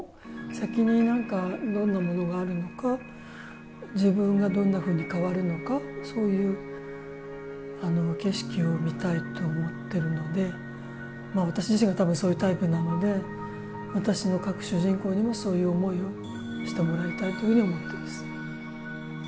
先に何かどんなものがあるのか自分がどんなふうに変わるのかそういう景色を見たいって思ってるので私自身がたぶんそういうタイプなので私の書く主人公にもそういう思いをしてもらいたいというふうに思ってます。